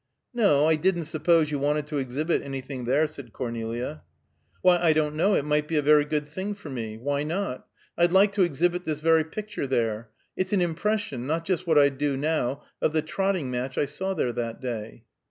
"No, I didn't suppose you wanted to exhibit anything there," said Cornelia. "Why, I don't know. It might be a very good thing for me. Why not? I'd like to exhibit this very picture there. It's an impression not just what I'd do, now of the trotting match I saw there that day."